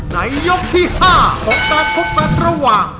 ในยกที่๕ของการพบกันระหว่าง